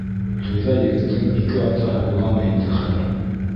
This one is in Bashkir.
Туйҙа егеттең ике атаһы буламы инде хәҙер?